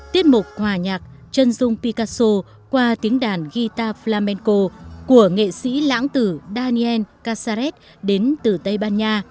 tiết mục hòa nhạc chân dung picaso qua tiếng đàn guitar flamenco của nghệ sĩ lãng tử daniel kasaret đến từ tây ban nha